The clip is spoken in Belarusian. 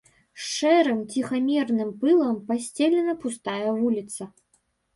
Шэрым ціхамірным пылам пасцелена пустая вуліца.